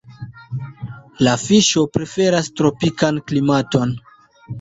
La fiŝo preferas tropikan klimaton.